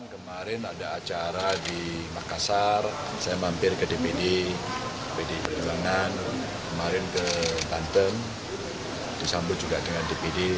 kemarin ada acara di makassar saya mampir ke dpd pdi perjuangan kemarin ke banten disambut juga dengan dpd